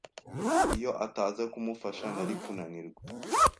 Iyo ataza kumufasha, nari kunanirwa.